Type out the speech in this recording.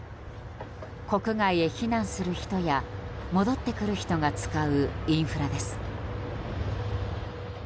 国外へ避難する人や戻ってくる人が使うインフラです。